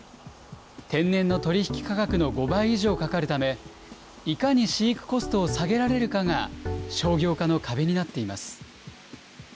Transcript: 天然の取引価格の５倍以上かかるため、いかに飼育コストを下げられるかが商業化の壁になっています。